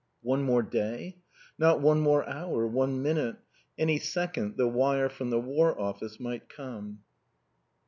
One more day? Not one more hour, one minute. Any second the wire from the War Office might come.